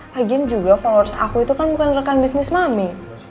lagian juga followers aku itu kan bukan rekan bisnis mami